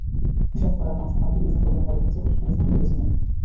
হিসাব করা, গান শোনা, ভিডিও সম্পাদনা করার ক্ষেত্রে তিনি ফোনকেই বেছে নেন।